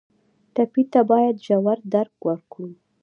ټپي ته باید ژور درک وکړو.